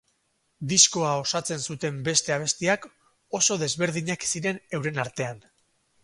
Diskoa osatzen zuten beste abestiak oso desberdinak ziren euren artean.